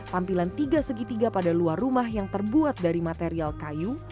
tampilan tiga segitiga pada luar rumah yang terbuat dari material kayu